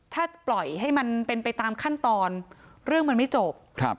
ถ้าปล่อยให้มันเป็นไปตามขั้นตอนเรื่องมันไม่จบ